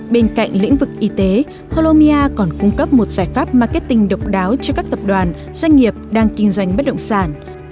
bên cạnh lĩnh vực y tế colomia còn cung cấp một giải pháp marketing độc đáo cho các tập đoàn doanh nghiệp đang kinh doanh bất động sản